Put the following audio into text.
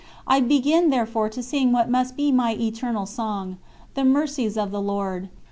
I begin therefore to sing what must be my eternal song: "the Mercies of the Lord."